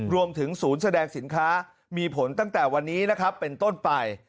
รวมถึงศูนย์แสดงสินค้ามีผลตั้งแต่วันนี้นะครับเป็นต้นไป